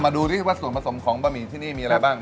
ดูสิว่าส่วนผสมของบะหมี่ที่นี่มีอะไรบ้าง